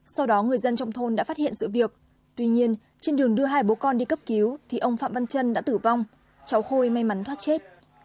sau đó người dân trong thôn đã phát hiện sự việc tuy nhiên trên đường đưa hai bố con đi cấp cứu thì ông phạm văn trân đã tử vong cháu khôi may mắn thoát chết